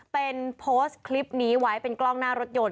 เป็นโพสต์คลิปนี้ไว้เป็นกล้องหน้ารถยนต